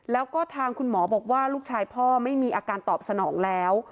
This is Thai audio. แล้วก็ทางคุณหมอบอกว่าลูกชายพ่อไม่มีอาการตอบสนองแล้ว